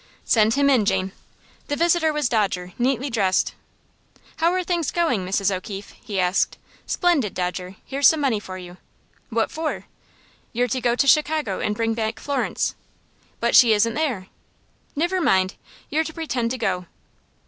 "Send him in, Jane." The visitor was Dodger, neatly dressed. "How are things going, Mrs. O'Keefe?" he asked. "Splendid, Dodger. Here's some money for you." "What for?" "You're to go to Chicago and bring back Florence." "But she isn't there." "Nivir mind. You're to pretend to go."